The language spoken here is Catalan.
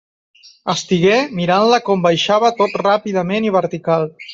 Estigué mirant-la com baixava tot ràpidament i vertical.